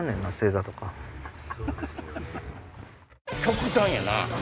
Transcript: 極端やな！